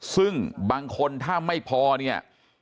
ซึ่งบางคนถ้าไม่พอเนี่ย